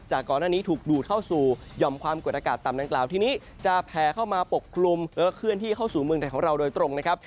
ก่อนหน้านี้ถูกดูดเข้าสู่หย่อมความกดอากาศต่ำดังกล่าวทีนี้จะแผลเข้ามาปกคลุมแล้วก็เคลื่อนที่เข้าสู่เมืองไทยของเราโดยตรงนะครับ